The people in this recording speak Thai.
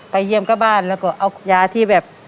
เยี่ยมก็บ้านแล้วก็เอายาที่แบบ